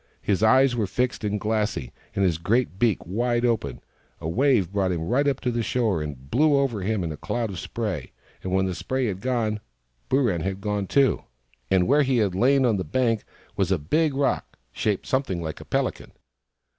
His eyes were fixed and glassy, and his great beak wide open. A wave brought him right up on the shore, and blew over him in a cloud of spray. When the spray had gone, Booran had gone, too ; and where he had lain on the bank was a big rock, shaped something like a pelican.